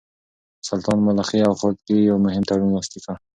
سلطان ملخي او خودکي يو مهم تړون لاسليک کړ.